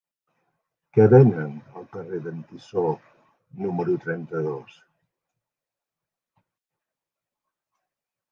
Què venen al carrer d'en Tissó número trenta-dos?